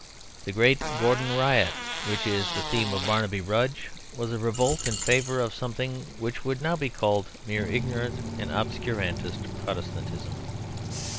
The great Gordon Riot, which is the theme of Barnaby Rudge, was a revolt in favour of something which would now be called mere ignorant and obscurantist Protestantism.